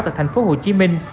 tại thành phố hồ chí minh